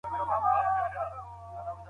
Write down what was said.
د افلاطون نظريې تر اوسه ارزښت لري.